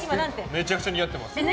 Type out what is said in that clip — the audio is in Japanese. めちゃくちゃ似合ってます。